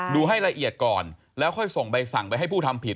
ให้ละเอียดก่อนแล้วค่อยส่งใบสั่งไปให้ผู้ทำผิด